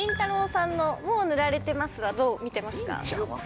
さんの「もう塗られてます？」はどう見てますか？